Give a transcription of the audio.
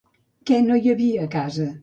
Què no hi havia a casa?